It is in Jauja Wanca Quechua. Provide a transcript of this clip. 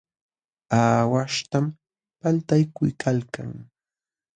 Aawaśhtam paltaykuykalkan.